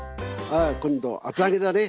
あ今度厚揚げだね。